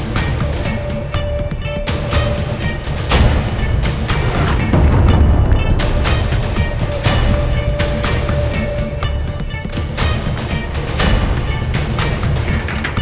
jangan lupa like subscribe channel ini ya